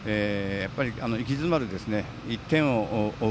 息詰まる１点を追う